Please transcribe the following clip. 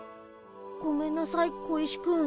ごめんなさい小石くん。